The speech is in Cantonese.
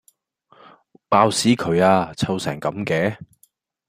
爆屎渠呀！臭成咁嘅